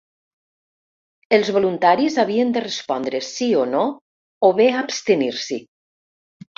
Els voluntaris havien de respondre sí o no o bé abstenir-s’hi.